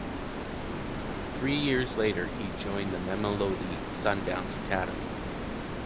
Three years later, he joined the Mamelodi Sundowns academy.